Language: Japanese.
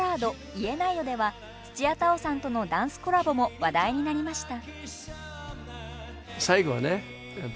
「言えないよ」では土屋太鳳さんとのダンスコラボも話題になりました。